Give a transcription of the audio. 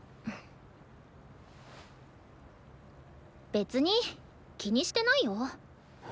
別に気にしてないよ。